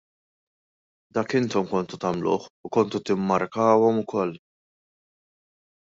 Dak intom kontu tagħmluh, u kontu timmarkawhom ukoll!